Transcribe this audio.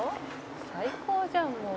「最高じゃんもう」